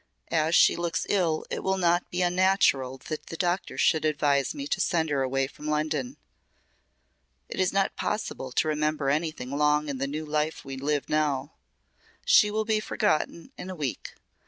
"As she looks ill it will not be unnatural that the doctor should advise me to send her away from London. It is not possible to remember anything long in the life we live now. She will be forgotten in a week.